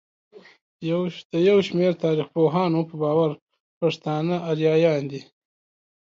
د يوشمېر تاريخپوهانو په باور پښتانه اريايان دي.